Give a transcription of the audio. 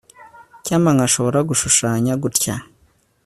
icyampa nkashobora gushushanya gutya